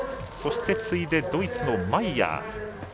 そして次いでドイツのマイヤー。